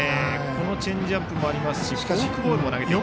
このチェンジアップもありますしフォークボールもあります。